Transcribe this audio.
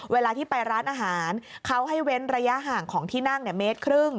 เวลาที่ไปร้านอาหารเขาให้เว้นระยะห่างของที่นั่งเมตรครึ่ง